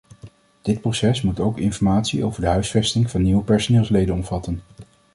Dit proces moet ook informatie over de huisvesting van nieuwe personeelsleden omvatten.